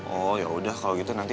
oh yaudah kalau gitu nanti